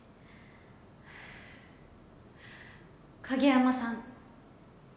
影山さん。